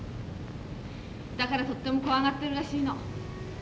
だからとっても怖がってるらしいの。